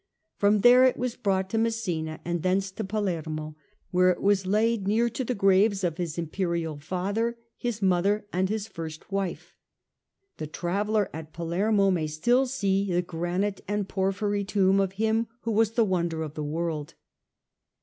From there it was brought to Messina and thence to Palermo, where it was laid near to the graves of his Imperial father, his mother and his first wife. The traveller at Palermo may still see the granite and porphyry tomb of him who was the wonder of the world.